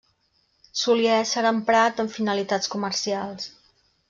Solia ésser emprat amb finalitats comercials.